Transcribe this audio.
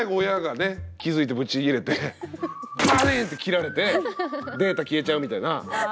気付いてぶち切れてバリーンって切られてデータ消えちゃうみたいな。